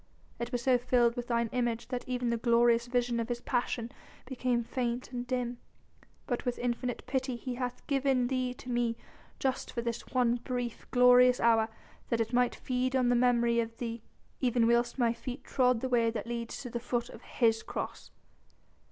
It was so filled with thine image that even the glorious vision of His Passion became faint and dim. But with infinite pity He hath given thee to me just for this one brief, glorious hour that it might feed on the memory of thee, even whilst my feet trod the way that leads to the foot of His Cross."